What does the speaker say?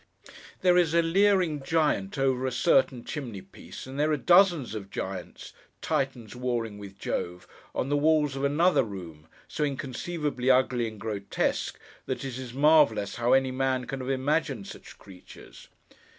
There is a leering Giant over a certain chimney piece, and there are dozens of Giants (Titans warring with Jove) on the walls of another room, so inconceivably ugly and grotesque, that it is marvellous how any man can have imagined such creatures.